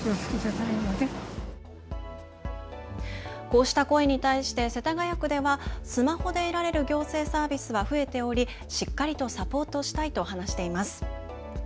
こうした声に対して世田谷区ではスマホで得られる行政サービスは増えており、しっかりとサポートしたいと話しています。